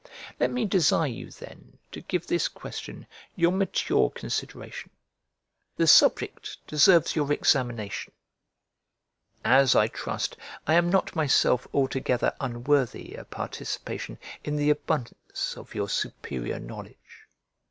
Let me desire you then to give this question your mature consideration. The subject deserves your examination; as, I trust, I am not myself altogether unworthy a participation in the abundance of your superior knowledge.